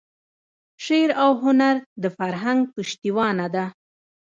شعر او هنر د فرهنګ پشتوانه ده.